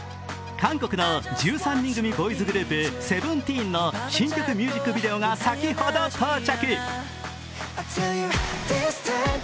韓国の１３人組ボーイズグループ、ＳＥＶＥＮＴＥＥＮの新曲ミュージックビデオが先ほど到着。